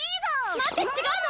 待って違うの！